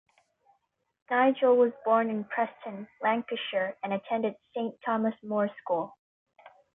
Nigel was born in Preston, Lancashire and attended Saint Thomas More school.